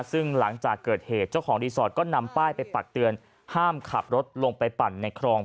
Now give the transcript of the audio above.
ซึ่งหลังจากเกิดเหตุเจ้าของรีสอร์ทก็นำป้ายไปปักเตือนห้ามขับรถลงไปปั่นในครอง